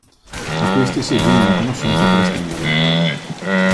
A queste si aggiungono le conoscenze per estenderlo.